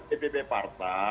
dijalankan oleh fraksi